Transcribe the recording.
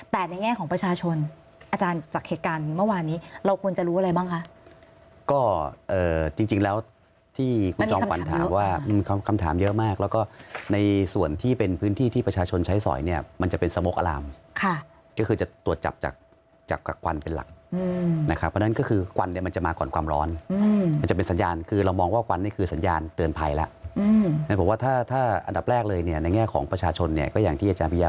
เพราะฉะนั้นมันอาจจะมีกลุ่มควันการออกแบบหรือการเตรียมการตรงเนี่ย